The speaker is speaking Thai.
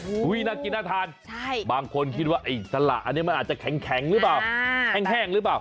อุ้ยนักกินน่าทานใช่บางคนคิดว่าไอ้ตลาดอันนี้มันอาจจะแข็งแข็งหรือเปล่า